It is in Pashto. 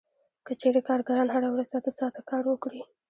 که چېرې کارګران هره ورځ اته ساعته کار وکړي